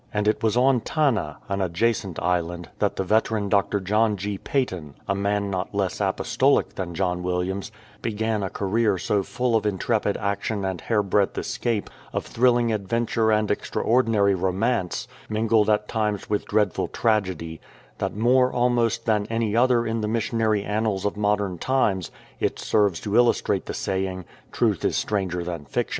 And it was on Tanna, an adjacent island, that the veteran Dr. John G. Paton, a man not less apostolic than John Williams, began a career so full of intrepid action and hairbreadth escape, of thrilling adventure and extraordinary romance, mingled at times with dreadful tragedy, that more almost than any other in the missionary annals of modern times it serves to illustrate the saying, " Truth is stranger than fiction."